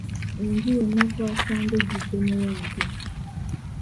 Enju yonna twasanga ejjudde muwempe.